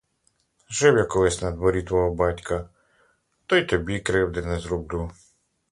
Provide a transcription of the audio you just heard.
Жив я колись на дворі твого батька, то й тобі кривди не зроблю.